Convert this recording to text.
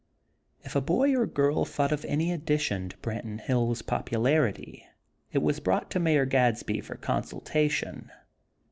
If a boy or girl thought of any addition to Branton Hills' popularity it was brought to Mayor Gadsby for consultation.